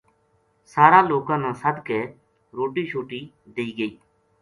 سارا لوکاں نا سَد کے روٹی شوٹی دئی گئی